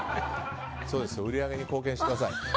売り上げに貢献してください。